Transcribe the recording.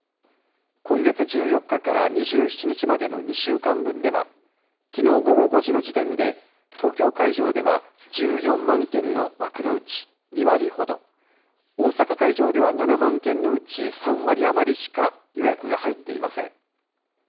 今月１４日から２７日までの２週間分では、きのう午後５時の時点で東京会場では１４万件の枠のうち２割ほど、大阪会場では７万件のうち３割余りしか予約が入っていません。